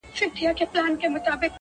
ژوند د درسونو مجموعه ده تل،